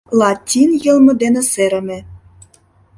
Латин йылме дене серыме.